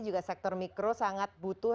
juga sektor mikro sangat butuh